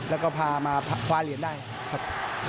แล้วก็พามาคว้าเหรียญได้ครับ